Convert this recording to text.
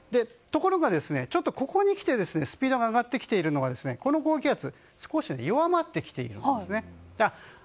ところが、ちょっとここにきてスピードが上がってきているのはこの高気圧少し弱まってきているんですね。